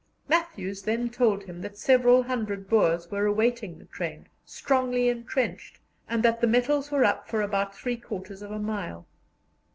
Matthews then told him that several hundred Boers were awaiting the train, strongly entrenched, and that the metals were up for about three quarters of a mile.